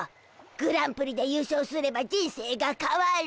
グランプリで優勝すれば人生がかわる。